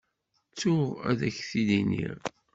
Ttuɣ ad ak-t-id-iniɣ.